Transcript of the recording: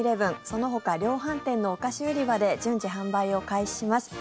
そのほか量販店のお菓子売り場で順次、販売を開始します。